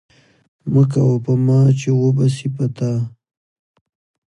مه کوه په ما، چي وبه سي په تا